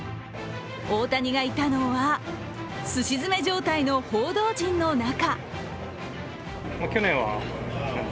大谷がいたのは、すし詰め状態の報道陣の中。